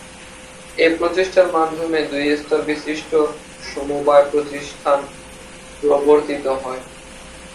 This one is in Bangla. এ প্রচেষ্টার মাধ্যমে দুই স্তর বিশিষ্ট সমবায় প্রতিষ্ঠান প্রবর্তিত হয়।